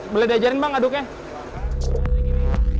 boleh diajarin bang aduknya